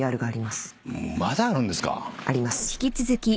あります。